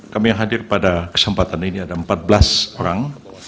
kami yang hadir pada kesempatan ini ada empat belas orang